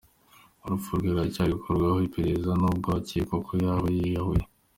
Urupfu rwe ruracyari gukorwaho iperereza nubwo hakekwa ko yaba yiyahuye.